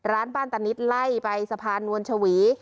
ร้านบ้านตานิดไล่ไปสะพานนวลชวี